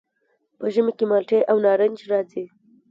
په ژمي کې مالټې او نارنج راځي.